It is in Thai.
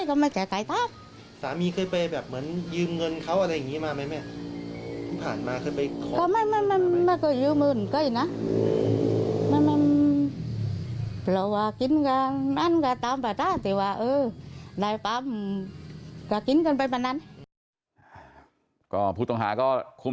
ก็ขึ้นเขินไปมันนั้นก็พูดลงโ้ย